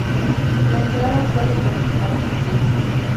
La entrada puede consultarse aquí